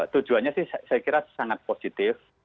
tujuannya sih saya kira sangat positif